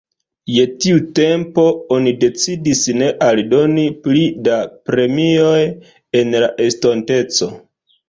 Je tiu tempo, oni decidis ne aldoni pli da premioj en la estonteco.